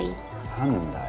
何だよ？